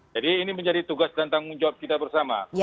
jadi ini menjadi tugas dan tanggung jawab kita bersama